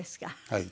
はい。